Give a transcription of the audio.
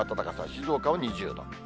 静岡は２０度。